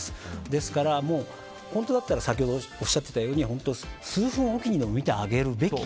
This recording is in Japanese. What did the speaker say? ですから、本当だったら先ほどおっしゃっていたように数分おきにでも見てあげるべき。